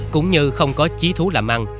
cũng như không có chí thú làm ăn